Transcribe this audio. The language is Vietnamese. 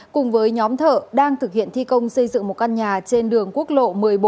cùng với nhóm thợ đang thực hiện thi công xây dựng một căn nhà trên đường quốc lộ một mươi bốn